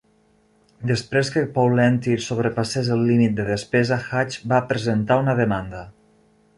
Després que Pawlenty sobrepassés el límit de despesa, Hatch va presentar una demanda.